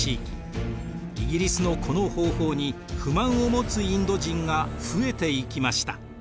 イギリスのこの方法に不満を持つインド人が増えていきました。